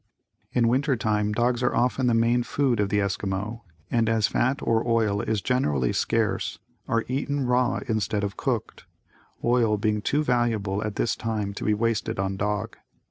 In winter time, dogs are often the main food of the Esquimaux and as fat or oil is generally scarce, are eaten raw instead of cooked, oil being too valuable at this time to be wasted on dog.